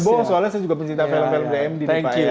bocor soalnya saya juga pencipta film film di md nih pak ya